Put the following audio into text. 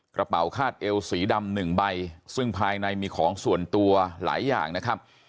กระเป๋าคาดเอวสีดำหนึ่งใบซึ่งภายในมีของส่วนตัวหลายอย่างนะครับ